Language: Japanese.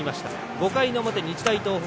５回の表、日大東北。